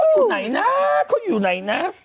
อยู่ไหนนะเขาอยู่ไหนนะ